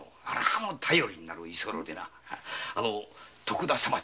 頼りになる居候でな徳田様。